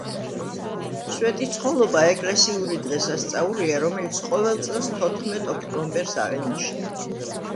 სვეტიცხოვლობა ეკლესიური დღესასწაულია რომელც ყოველ წელს თოთხმეტ ოქტომბერს აღინიშნება